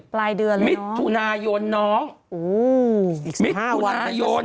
ปลายเดือนแล้วมิตรทุนายนน้องอีก๑๕วันมิตรทุนายน